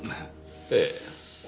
ええ。